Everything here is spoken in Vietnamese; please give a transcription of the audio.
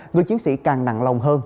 người chiến sĩ càng nặng lòng hơn